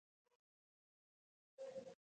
زړه د خوښیو چین دی.